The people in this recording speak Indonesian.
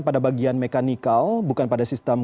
pada bagian mekanikal bukan pada sistem